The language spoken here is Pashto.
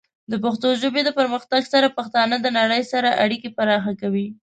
د پښتو ژبې د پرمختګ سره، پښتانه د نړۍ سره اړیکې پراخه کوي.